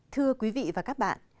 thưa quý vị và các bạn